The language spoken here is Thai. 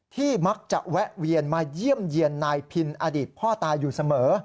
มักจะแวะเวียนมาเยี่ยมเยี่ยนนายพินอดีตพ่อตาอยู่เสมอ